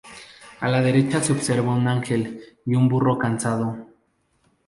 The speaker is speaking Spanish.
A la derecha se observa un ángel y un burro cansado.